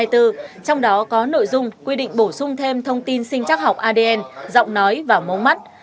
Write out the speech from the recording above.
trong đó có nội dung quy định bổ sung thêm thông tin sinh chắc học adn giọng nói và mống mắt